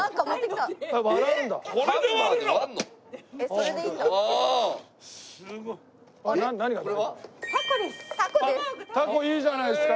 たこいいじゃないですか。